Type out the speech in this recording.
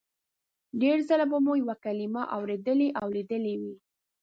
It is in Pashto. ډېر ځله به مو یوه کلمه اورېدلې او لیدلې وي